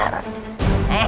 siliwangi dan nurjati